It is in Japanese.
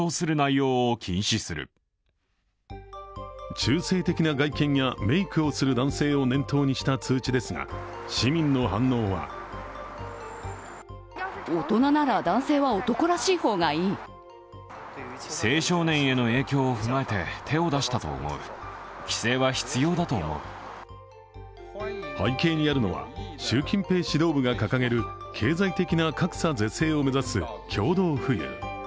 中性的な外見やメークをする男性を念頭にした通知ですが、市民の反応は背景にあるのは、習近平指導部が掲げる経済的な格差是正を目指す共同富裕。